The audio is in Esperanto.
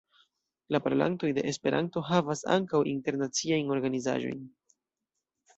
La parolantoj de Esperanto havas ankaŭ internaciajn organizaĵojn.